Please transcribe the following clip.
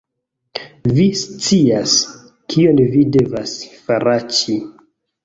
Vi scias, kion vi devas faraĉi